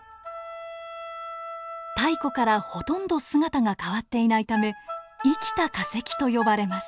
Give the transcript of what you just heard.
太古からほとんど姿が変わっていないため生きた化石と呼ばれます。